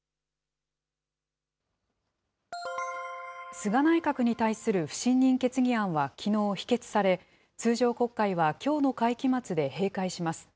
菅内閣に対する不信任決議案はきのう否決され、通常国会はきょうの会期末で閉会します。